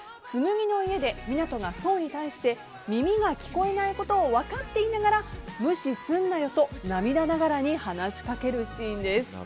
紬の家で湊斗が想に対して耳が聞こえないことを分かっていながら無視すんなよと涙ながらに話しかけるシーンです。